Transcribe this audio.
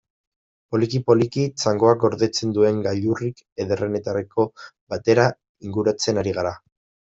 Poliki-poliki, txangoak gordetzen duen gailurrik ederrenetako batera inguratzen ari gara.